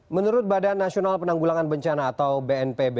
menurut badan nasional penanggulangan bencana atau bnpb